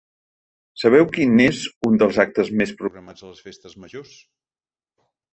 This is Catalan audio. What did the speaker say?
Sabeu quin és un dels actes més programats a les festes majors?